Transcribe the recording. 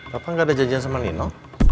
papa gak ada janjian sama nino